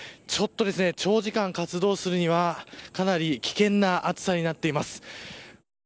長時間活動するにはかなり危険な暑さになっています。